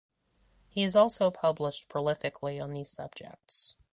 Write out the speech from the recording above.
He has also published prolifically on these subjects.